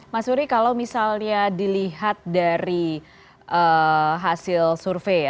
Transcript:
mas uri kalau misalnya dilihat dari hasil survei ya